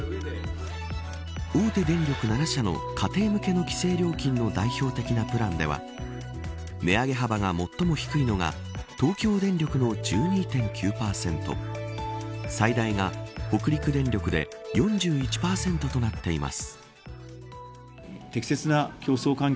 大手電力７社の家庭向けの規制料金の代表的なプランでは値上げ幅が最も低いのが東京電力の１２．９％最大が、北陸電力で４１％となっています。